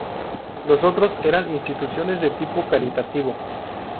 Los otros eran instituciones de tipo caritativo.